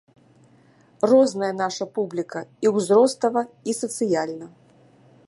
Розная наша публіка, і ўзростава і сацыяльна.